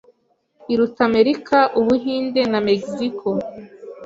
Iruta America, Ubuhinde, na Mexico